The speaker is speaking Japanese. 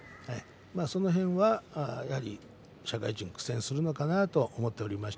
その辺は社会人、苦戦するのかなと思っています。